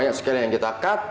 banyak sekali yang kita cut